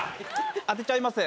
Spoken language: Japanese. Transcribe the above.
当てちゃいます。